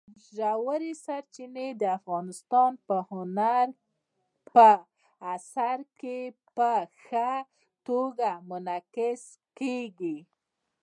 ژورې سرچینې د افغانستان په هنر په اثار کې په ښه توګه منعکس کېږي.